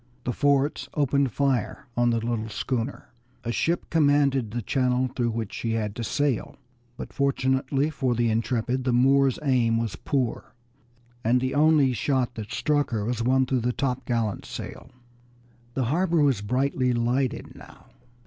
The forts opened fire on the little schooner. A ship commanded the channel through which she had to sail, but fortunately for the Intrepid the Moors' aim was poor, and the only shot that struck her was one through the topgallantsail. The harbor was brightly lighted now.